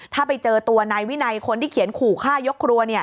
ถ้าไปเจอตัวนายวินัยคนที่เขียนขู่ฆ่ายกครัว